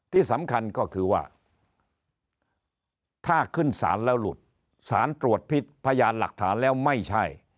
ที่สำคัญก็คือว่าถ้าขึ้นสารแล้วหลุดสารตรวจพิษพยานหลักฐานแล้วไม่ใช่